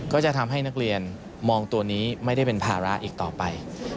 ก็จะทำให้นักเรียนมองตัวนี้ไม่ได้เป็นภาระอีกต่อไป